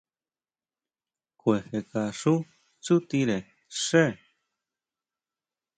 Kujekaxú tsutire xe.